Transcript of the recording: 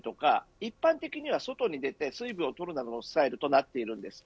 一般的には外に出て水分を取るなどのスタイルとなっているんです。